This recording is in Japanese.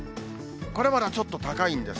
これまだちょっと高いんです。